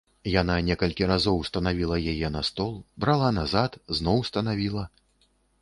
Яна некалькі разоў станавіла яе на стол, брала назад, зноў станавіла.